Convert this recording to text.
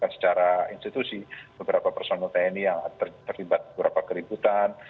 secara institusi beberapa personil tni yang terlibat beberapa keributan